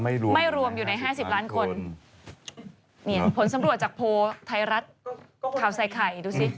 รวมไม่รวมอยู่ในห้าสิบล้านคนเนี่ยผลสำรวจจากโพลไทยรัฐข่าวใส่ไข่ดูสิ